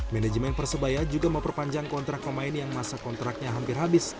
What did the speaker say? manajemen persebaya juga memperpanjang kontrak pemain yang masa kontraknya hampir habis